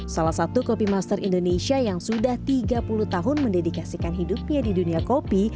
salah satu kopi master indonesia yang sudah tiga puluh tahun mendedikasikan hidupnya di dunia kopi